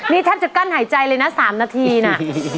นี่แทบจะกั้นหายใจเลยนะ๓นาทีนะ